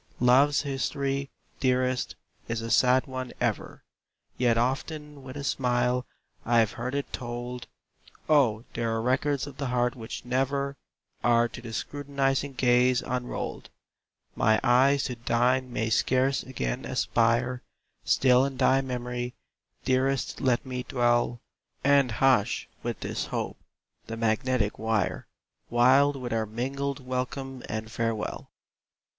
Love's history, dearest, is a sad one ever, Yet often with a smile I've heard it told! Oh, there are records of the heart which never Are to the scrutinizing gaze unrolled! My eyes to thine may scarce again aspire Still in thy memory, dearest let me dwell, And hush, with this hope, the magnetic wire, Wild with our mingled welcome and farewell!